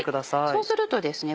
そうするとですね